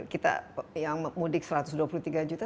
kita yang mudik satu ratus dua puluh tiga juta